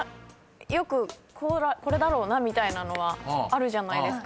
よくこれだろうなみたいなのはあるじゃないですか。